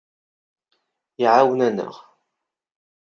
Iɛawen-aneɣ.